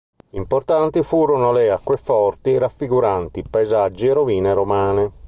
Importanti furono le acqueforti raffiguranti paesaggi e rovine romane.